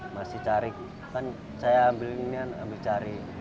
masih cari kan saya ambil ini kan ambil cari